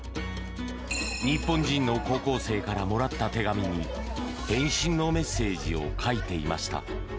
日本人の高校生からもらった手紙に返信のメッセージを書いていました。